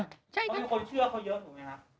เพราะมีคนเชื่อเขาเยอะถูกไหมครับ